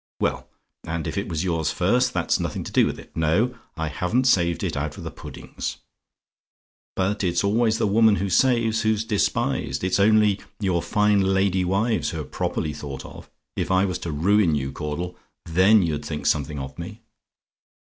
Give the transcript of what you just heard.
Well, and if it was yours first, that's nothing to do with it. No; I haven't saved it out of the puddings. But it's always the woman who saves who's despised. It's only your fine lady wives who're properly thought of. If I was to ruin you, Caudle, then you'd think something of me.